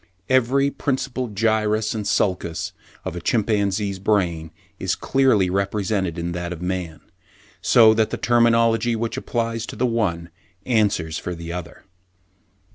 Every principal gyrus and sulcus of a chimpanzee's brain is clearly represented in that of a man, so that the terminology which applies to the one answers for the other.